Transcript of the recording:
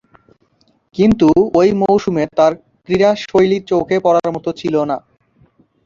কিন্তু ঐ মৌসুমে তার ক্রীড়াশৈলী চোখে পড়ার মতো ছিল না।